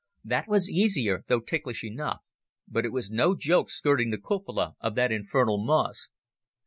That was easier, though ticklish enough, but it was no joke skirting the cupola of that infernal mosque.